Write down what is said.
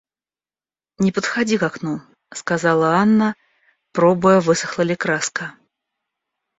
Не подходи к окну, — сказала Анна, пробуя, высохла ли краска.